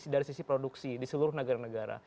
dari sisi produksi di seluruh negara negara